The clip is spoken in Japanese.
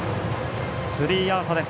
スリーアウトです。